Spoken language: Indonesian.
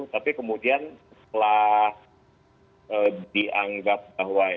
tapi kemudian setelah dianggap bahwa